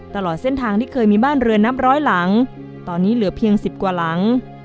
ตลอดเส้นทางที่เคยมีบ้านเรือนนับร้อยหลังตอนนี้เหลือเพียง๑๐กว่าหลัง